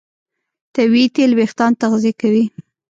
طبیعي تېل وېښتيان تغذیه کوي.